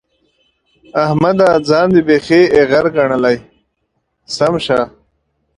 احمده! ځان دې بېخي ايغر ګڼلی دی؛ سم شه.